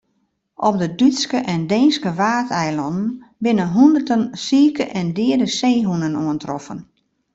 Op de Dútske en Deenske Waadeilannen binne hûnderten sike en deade seehûnen oantroffen.